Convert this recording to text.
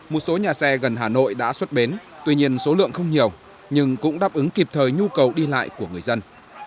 một số nhà xe gần hà nội đã xuất bến tuy nhiên số lượng không nhiều nhưng cũng đáp ứng kịp thời nhu cầu đi lại của người dân